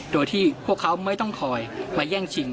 โดยที่พวกเขาไม่ต้องคอยมาแย่งชิง